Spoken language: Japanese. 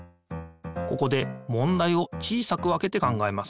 ここでもんだいを小さく分けて考えます。